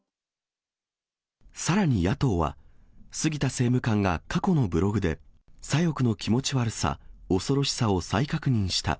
さらに野党は、杉田政務官が過去のブログで、左翼の気持ち悪さ、恐ろしさを再確認した。